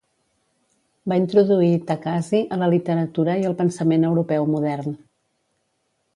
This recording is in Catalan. Va introduir Thakazhi a la literatura i el pensament europeu modern.